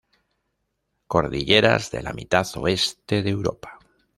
Cordilleras de la mitad oeste de Europa.